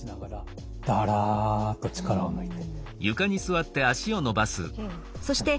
だらっと力を抜いて。